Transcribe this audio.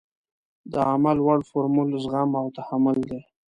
د عمل وړ فورمول زغم او تحمل دی.